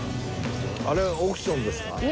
あれは億ションですか？